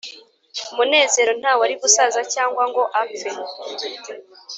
munezero Nta wari gusaza cyangwa ngo apfe